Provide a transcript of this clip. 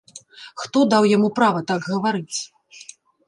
Хто даў яму права так гаварыць?